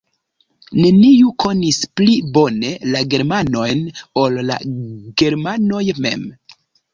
Neniu konis pli bone la germanojn, ol la germanoj mem.